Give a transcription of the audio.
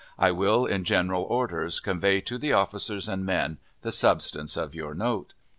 I will, in general orders, convey to the officers and men the substance of your note.